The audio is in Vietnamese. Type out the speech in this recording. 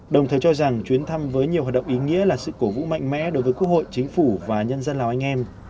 đồng thời cho rằng chuyến thăm với nhiều hoạt động ý nghĩa là sự cổ vũ mạnh mẽ đối với quốc hội chính phủ và nhân dân lào anh em